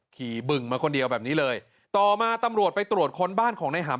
บึงมาคนเดียวแบบนี้เลยต่อมาตำรวจไปตรวจค้นบ้านของในหำ